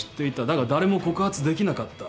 だが誰も告発できなかった。